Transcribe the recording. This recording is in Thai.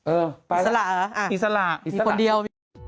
เออไปแล้วอิสระเหรออ่ะอิสระมีคนเดียว